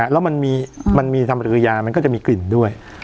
แล้วมันมีทำริยามันก็จะมีกลิ่นด้วย